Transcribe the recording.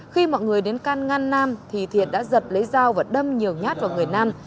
khi mọi người đến can ngăn nam thì thiện đã giật lấy dao và đâm nhiều nhát vào người nam